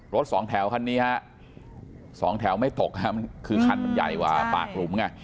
สองแถวคันนี้ฮะสองแถวไม่ตกคือคันมันใหญ่กว่าปากหลุมไง